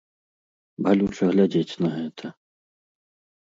Балюча глядзець на гэта.